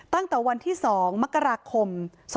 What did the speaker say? ตั้งแต่วันที่๒มกราคม๒๕๖๒